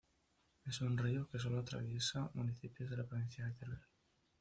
Es un río que solo atraviesa municipios de la provincia de Teruel.